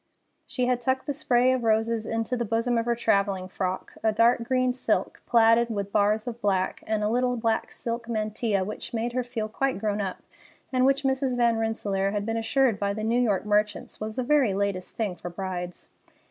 She had tucked the spray of roses into the bosom of her travelling frock—a dark green silk, plaided with bars of black, and a little black silk mantilla, which made her feel quite grown up, and which, Mrs. Van Rensselaer had been assured by the New York merchants, was the very latest thing for brides.